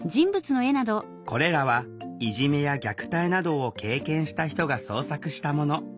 これらはいじめや虐待などを経験した人が創作したもの。